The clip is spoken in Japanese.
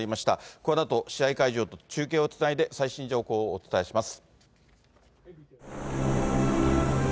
このあと、試合会場と中継をつないで、最新情報をお伝えします。